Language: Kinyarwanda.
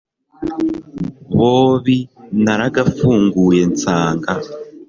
bobi naragafunguye nsanga